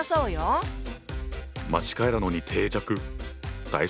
間違いなのに定着。